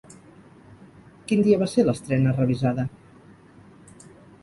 Quin dia va ser l'estrena revisada?